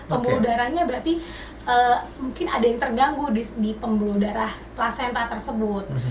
pembuluh darahnya berarti mungkin ada yang terganggu di pembuluh darah placenta tersebut